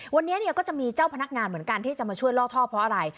วันนี้ก็จะมีเจ้าพนักงานเหมือนกันที่จะมาช่วยล่อท่อเพราะอะไร